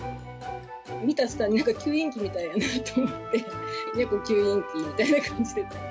見たとたんに、なんか吸引機みたいだなと思って、猫吸引機みたいな感じで。